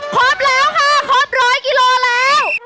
ครบแล้วค่ะครบร้อยกิโลแล้ว